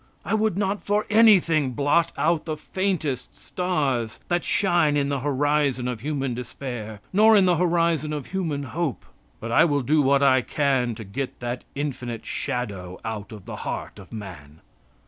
I would not for anything blot out the faintest stars that shine in the horizon of human despair, nor in the horizon of human hope; but I will do what I can to get that infinite shadow out of the heart of man.